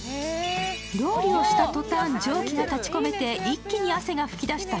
ロウリュした途端、汗が蒸気が立ちこめて一気に汗がふき出した